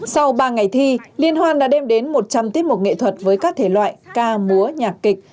sau ba ngày thi liên hoan đã đem đến một trăm linh tiết mục nghệ thuật với các thể loại ca múa nhạc kịch